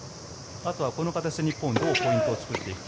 あとはこの形で日本はどうポイントを取っていくか。